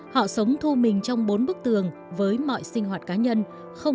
họ sống thu mình trong bốn bức tường với mọi sinh hoạt cá nhân